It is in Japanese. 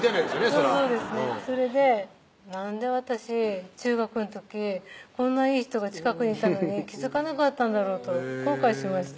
そりゃそれでなんで私中学の時こんないい人が近くにいたのに気付かなかったんだろうと後悔しました